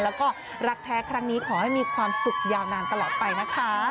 แล้วก็รักแท้ครั้งนี้ขอให้มีความสุขยาวนานตลอดไปนะคะ